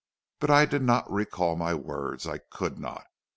But I did not recall my words, I could not.